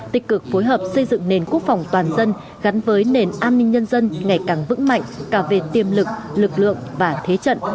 tích cực phối hợp xây dựng nền quốc phòng toàn dân gắn với nền an ninh nhân dân ngày càng vững mạnh cả về tiềm lực lực lượng và thế trận